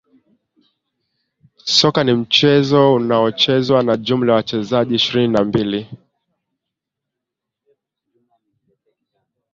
Soka ni mchezo unaochezwa na jumla ya wachezaji ishirini na mbili